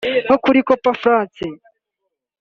nko kuri Coup-Franc